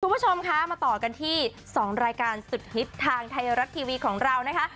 คุณผู้ชมคะมาต่อกันที่๒รายการสุดฮิตทางไทยรัฐทีวีของเรานะคะ